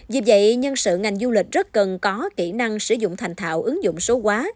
vì vậy nhân sự ngành du lịch rất cần có kỹ năng sử dụng thành thạo ứng dụng số quá